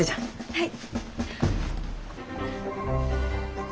はい。